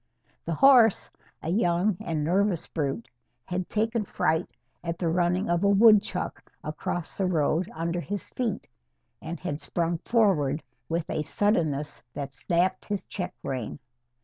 The horse a young and nervous brute had taken fright at the running of a woodchuck across the road under his feet, and had sprung forward with a suddenness that snapped his check rein.